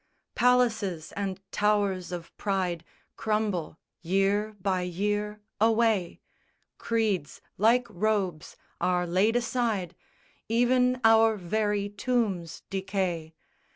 _ _Palaces and towers of pride Crumble year by year away; Creeds like robes are laid aside, Even our very tombs decay!